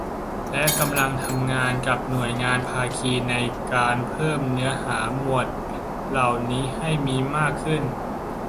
และกำลังทำงานกับหน่วยงานภาคีในการเพิ่มเนื้อหาหมวดเหล่านี้ให้มีมากขึ้น